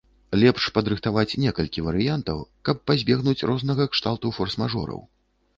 Лепш падрыхтаваць некалькі варыянтаў, каб пазбегнуць рознага кшталту форс-мажораў.